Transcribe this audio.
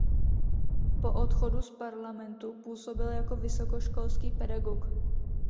Po odchodu z parlamentu působil jako vysokoškolský pedagog.